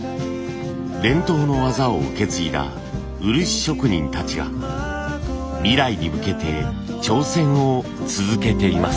伝統の技を受け継いだ漆職人たちが未来に向けて挑戦を続けています。